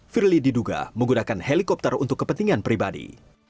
firly diduga menggunakan helikopter untuk kepentingan pribadi